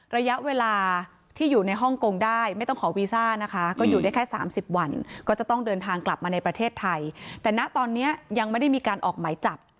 ระยะเวลาที่อยู่ในฮ่องกงได้ไม่ต้องขอวีซ่านะคะก็อยู่ได้แค่๓๐วันก็จะต้องเดินทางกลับมาในประเทศไทยแต่ณตอนนี้ยังไม่ได้มีการออกหมายจับ